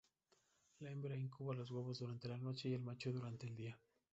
La hembra incuba los huevos durante la noche y el macho durante el día.